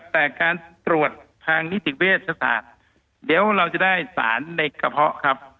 แต่การตรวจทางนิติเวชศาสตร์เดี๋ยวเราจะได้สารในกระเพาะครับ